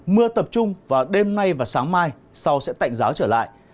mưa tập trung vào đêm nay và sáng mai sau sẽ tạnh giáo trở lại